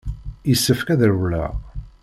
Yessefk ad rewleɣ.